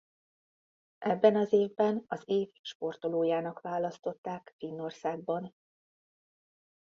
Ebben az évben az év sportolójának választották Finnországban.